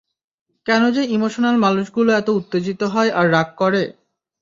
কেন যে ইমোশনাল মানুষগুলো এত উত্তেজিত হয় আর রাগ করে?